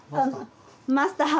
マスター。